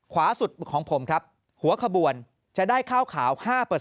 ขวาสุดของผมครับหัวขบวนจะได้ข้าวขาว๕